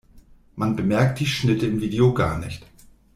Man bemerkt die Schnitte im Video gar nicht.